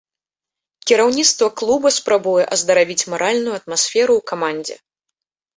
Кіраўніцтва клуба спрабуе аздаравіць маральную атмасферу ў камандзе.